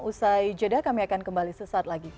usai jeda kami akan kembali sesaat lagi